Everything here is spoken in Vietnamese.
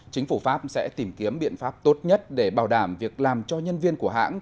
chính phủ pháp sẽ tìm kiếm biện pháp tốt nhất để bảo đảm việc làm cho nhân viên của hãng